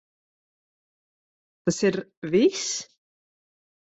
Tas ir viss?